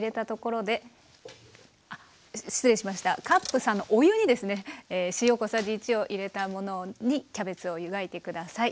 カップ３のお湯に塩小さじ１を入れたものにキャベツを湯がいて下さい。